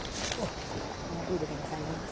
生ビールでございます。